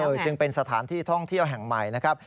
จึงเป็นสถานที่ท่องเที่ยวแห่งใหม่นะครับ